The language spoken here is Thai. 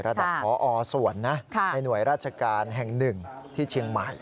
ระดับพอส่วนนะในหน่วยราชการแห่งหนึ่งที่เชียงใหม่